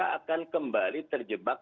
akan kembali terjebak